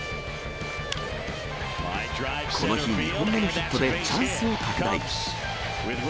この日、２本目のヒットでチャンスを拡大。